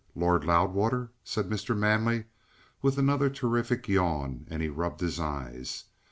Lord Loudwater?" said Mr. Manley with another terrific yawn, and he rubbed his eyes.